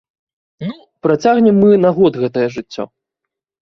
Ну, працягнем мы на год гэтае жыццё.